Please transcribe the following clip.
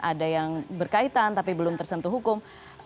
ada yang berkaitan tapi belum tersentuh hukum